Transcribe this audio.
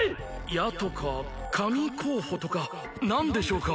矢とか神候補とか何でしょうか？